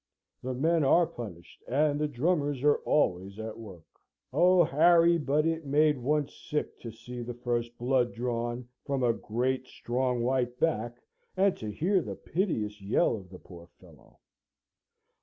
The men are punished, and the drummers are always at work. Oh, Harry, but it made one sick to see the first blood drawn from a great strong white back, and to hear the piteous yell of the poor fellow."